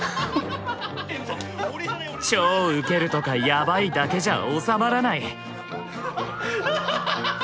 「超ウケる」とか「やばい」だけじゃ収まらない！